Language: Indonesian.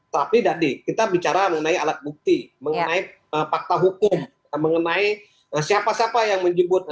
tapi tadi kita bicara mengenai alat bukti mengenai fakta hukum mengenai siapa siapa yang menyebut